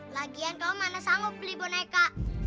lagian kaum mana sanggup beli boneka